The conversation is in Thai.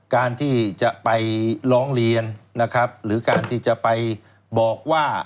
การที่จะไปร้องเรียนนะครับหรือการที่จะไปบอกว่า